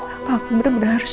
apa aku bener bener harus